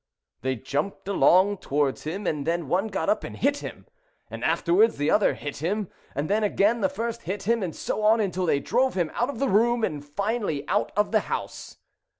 They jumped along towards him, and then one got up and hit him, and afterwards the other hit him, and then again the first hit him, and so on, until they drove him out of the room, and finally out of the house.